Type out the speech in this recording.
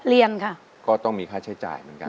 เรียนค่ะก็ต้องมีค่าใช้จ่ายเหมือนกัน